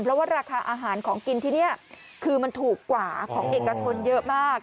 เพราะว่าราคาอาหารของกินที่นี่คือมันถูกกว่าของเอกชนเยอะมาก